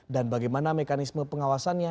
dan bagaimana mekanisme pengawasannya